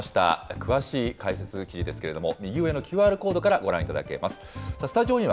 詳しい解説記事ですけれども、右上のＱＲコードからご覧いただけます。